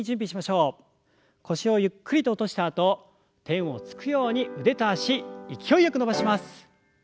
腰をゆっくりと落としたあと天をつくように腕と脚勢いよく伸ばします。